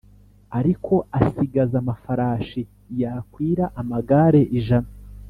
ariko asigaza amafarashi yakwira amagare ijana.